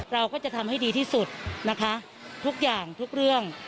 เราก็จะทำให้ดีที่สุดนะคะทุกอย่างทุกเรื่อง